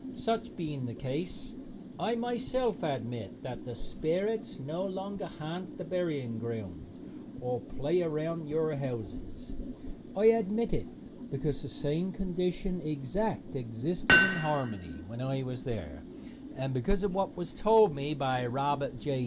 Such being the case, I myself admit that the sperrits no longer ha'nt the burying ground or play around your houses. I admit it because the same condition exact existed in Harmony when I was there, and because of what was told me by Robert J.